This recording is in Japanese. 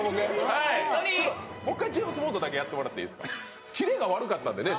もう一回、ジェームズ・ボンドだけやってもらっていいですか。